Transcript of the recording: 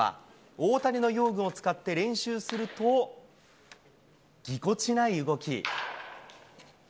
大谷の用具を使って練習すると、ぎこちない動き。